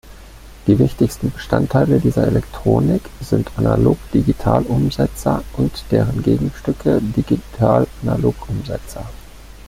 Die wichtigsten Bestandteile dieser Elektronik sind Analog-Digital-Umsetzer und deren Gegenstücke, Digital-Analog-Umsetzer.